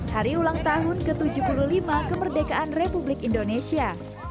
hari ulang tahun ke tujuh puluh lima kemerdekaan republik indonesia